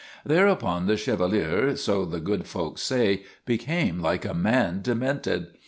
Thereupon the Chevalier, so the good folks say, became like a man demented.